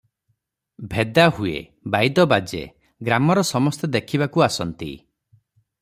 ଭେଦା ହୁଏ, ବାଇଦ ବାଜେ, ଗ୍ରାମର ସମସ୍ତେ ଦେଖିବାକୁ ଆସନ୍ତି ।